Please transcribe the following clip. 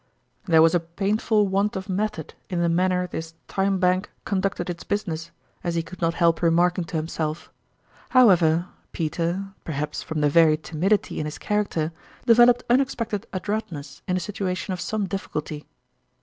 There was a painful want of method in the manner this Time Bank conducted its business, as he could not help remarking to himself ; however, Peter, perhaps, from the very ti midity in his character, developed unexpected adroitness in a situation of some difficulty.